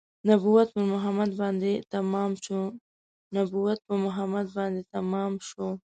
نبوت په محمد باندې تمام شو نبوت په محمد باندې تمام شو